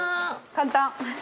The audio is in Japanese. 簡単。